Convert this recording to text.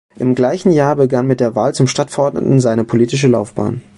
Im gleichen Jahr begann mit der Wahl zum Stadtverordneten seine politische Laufbahn.